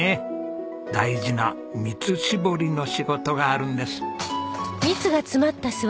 大事な蜜搾りの仕事があるんです。